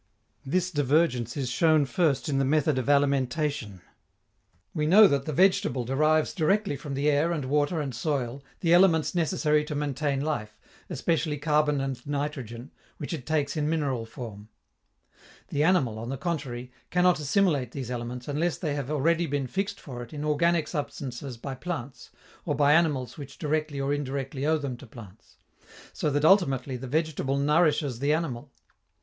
This divergence is shown, first, in the method of alimentation. We know that the vegetable derives directly from the air and water and soil the elements necessary to maintain life, especially carbon and nitrogen, which it takes in mineral form. The animal, on the contrary, cannot assimilate these elements unless they have already been fixed for it in organic substances by plants, or by animals which directly or indirectly owe them to plants; so that ultimately the vegetable nourishes the animal.